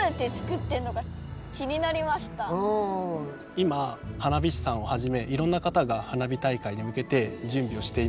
今花火師さんをはじめいろんな方が花火大会にむけてじゅんびをしています。